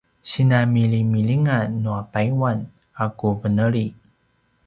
sinanmilimilingan nua payuan a ku veneli